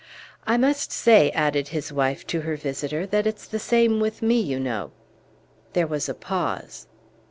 "I must say," added his wife to her visitor, "that it's the same with me, you know." There was a pause.